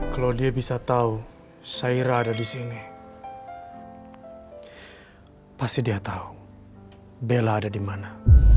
kalau dia bisa tahu saira ada di sini pasti dia tahu bella ada di mana